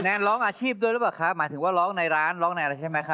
ร้องอาชีพด้วยหรือเปล่าคะหมายถึงว่าร้องในร้านร้องในอะไรใช่ไหมคะ